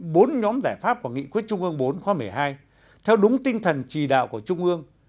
bốn nhóm giải pháp của nghị quyết trung ương bốn khóa một mươi hai theo đúng tinh thần trì đạo của trung ương